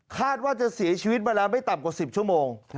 คาดว่าจะเสียชีวิตมาแล้วไม่ต่ำกว่า๑๐ชั่วโมง